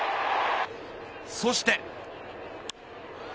そして。